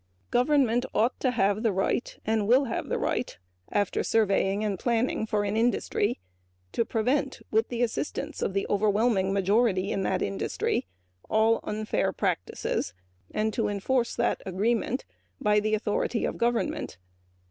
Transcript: Government ought to have the right and will have the right, after surveying and planning for an industry to prevent, with the assistance of the overwhelming majority of that industry, unfair practice and to enforce this agreement by the authority of government.